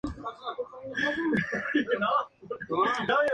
Sostuvo siempre su inocencia, pero se vio obligado a huir a Barcelona.